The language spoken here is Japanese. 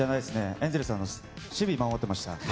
エンゼルス、守備守ってました。